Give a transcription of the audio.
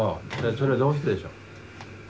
それはどうしてでしょう？